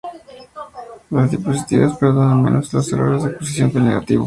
Las diapositivas perdonan menos los errores de exposición que el negativo.